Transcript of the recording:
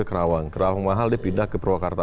kerawang kerawang mahal dia pindah ke purwakarta